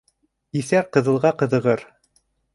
Иҫәр ҡыҙылға ҡыҙығыр.